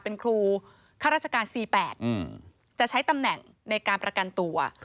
เป็นครูข้าราชการ๔๘จะใช้ตำแหน่งในการประกันตัว